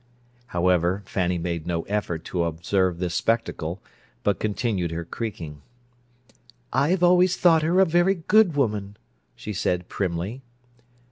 However, Fanny made no effort to observe this spectacle, but continued her creaking. "I've always thought her a very good woman," she said primly.